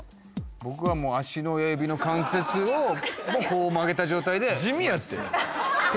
僕はもう足の親指の関節をこう曲げた状態で地味やって！